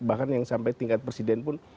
bahkan yang sampai tingkat presiden pun